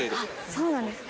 そうなんですね。